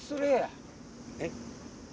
えっ？